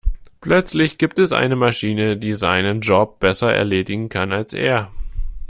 Plötzlich gibt es eine Maschine, die seinen Job besser erledigen kann als er.